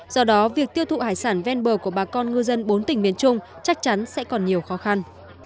do đó việc tiêu thụ hải sản ven bờ của bà con ngư dân bốn tỉnh miền trung chắc chắn sẽ còn nhiều khó khăn